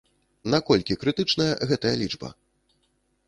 Наколькі крытычная гэтая лічба?